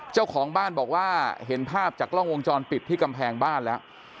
เจ้าของบ้านบอกว่าเห็นภาพจากกล้องวงจรปิดที่กำแพงบ้านแล้ว